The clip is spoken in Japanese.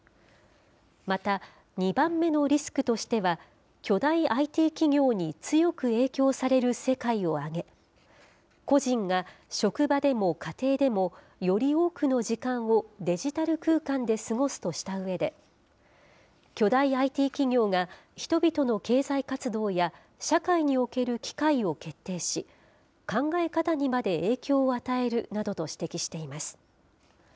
また、２番目のリスクとしては、巨大ＩＴ企業に強く影響される世界を挙げ、個人が職場でも家庭でも、より多くの時間をデジタル空間で過ごすとしたうえで、巨大ＩＴ企業が、人々の経済活動や社会における機会を決定し、考え方にまで影響を与えるなどと指摘しています。